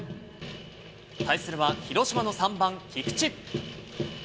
対するは、広島の３番菊池。